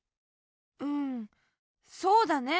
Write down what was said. うんそうだね。